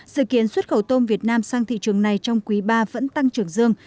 dự kiến xuất khẩu tôm việt nam sang thị trường này trong quý ba vẫn tăng trưởng dương